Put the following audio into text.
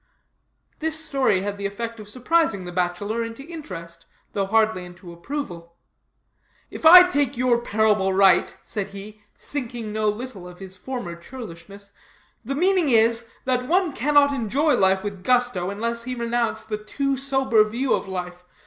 This story had the effect of surprising the bachelor into interest, though hardly into approval. "If I take your parable right," said he, sinking no little of his former churlishness, "the meaning is, that one cannot enjoy life with gusto unless he renounce the too sober view of life.